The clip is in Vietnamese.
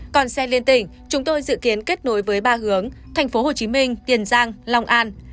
còn xe liên tỉnh chúng tôi dự kiến kết nối với ba hướng thành phố hồ chí minh tiền giang long an